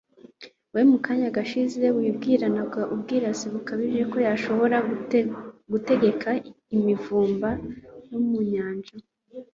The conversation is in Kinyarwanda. we mu kanya gashize, wibwiranaga ubwirasi bukabije ko yashobora gutegeka imivumba yo mu nyanja